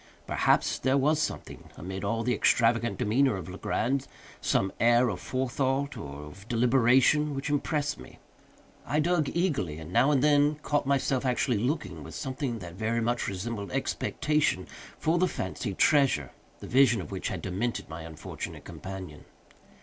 Perhaps there was something, amid all the extravagant demeanor of Legrand—some air of forethought, or of deliberation, which impressed me. I dug eagerly, and now and then caught myself actually looking, with something that very much resembled expectation, for the fancied treasure, the vision of which had demented my unfortunate companion.